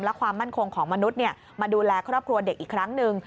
และความมั่นคงของมนุษย์มาดูแลครอบครัวเด็กอีกครั้งหนึ่ง